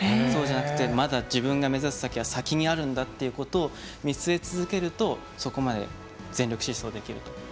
そうじゃなくてまだ自分が目指す場所は先にあるんだってことを見据え続けるとそこまで全力疾走できると。